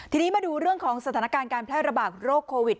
ทีนี้มาดูเรื่องของสถานการณ์การแพร่ระบาดโรคโควิด